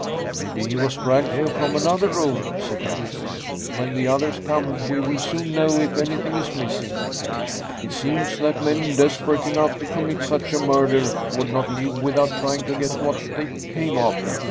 "Maybe he was dragged here from another room," said Young. "When the others come, we will soon know if anything is missing. It seems that men desperate enough to commit such a murder would not leave without trying to get what they came after.